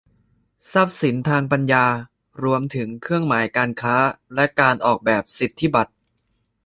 ทรัพย์สินทางปัญญารวมถึงเครื่องหมายการค้าและการออกแบบสิทธิบัตร